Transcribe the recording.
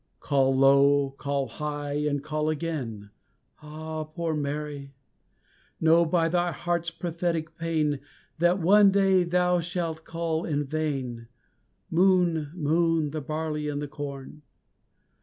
Call low, call high, and call again, Ah, poor Mary! Know, by thy heart's prophetic pain, That one day thou shalt call in vain Moan, moan, the barley and the corn!